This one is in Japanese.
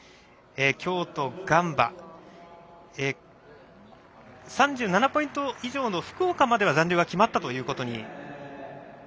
京都、ガンバ３７ポイント以上の福岡までは残留は決まったということに。